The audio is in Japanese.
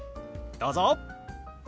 どうぞ！